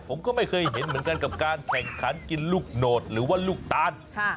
ผมก็ไม่เคยเห็นเหมือนกันกับการแข่งขันกินลูกโหนดหรือว่าลูกตาล